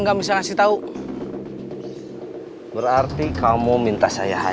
jaring terus jilin pada sana